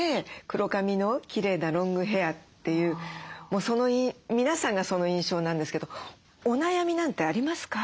黒髪のきれいなロングヘアというもう皆さんがその印象なんですけどお悩みなんてありますか？